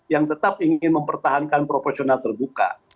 yang tetap ingin mempertahankan proporsional terbuka